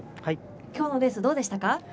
今日のレースどうでしたか。